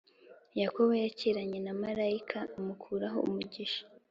yakobo yakiranye na marayika amukuraho umugisha